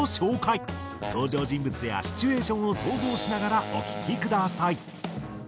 登場人物やシチュエーションを想像しながらお聴きください。